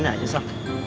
si riana aja sal